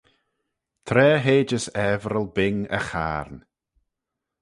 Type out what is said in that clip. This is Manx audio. Tra heidys Avril bing e chayrn,